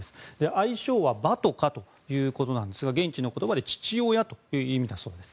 愛称はバトカということなんですが現地の言葉で父親という意味だそうです。